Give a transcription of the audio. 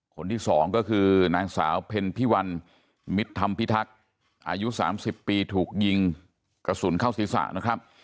คนที่สองก็คือนางสาวเพ็ญพิวัลมิตรธรรมพิทักษ์อายุ๓๐ปีถูกยิงกระสุนเข้าศีรษะนะครับ